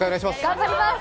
頑張ります！